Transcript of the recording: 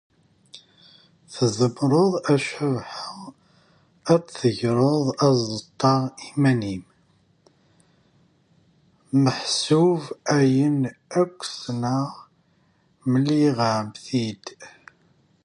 Tzemreḍ a Cabḥa ad tegreḍ aẓeṭṭa iman-im, meḥsub ayen akk ssneɣ mliɣ-am-t-id.